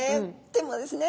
でもですね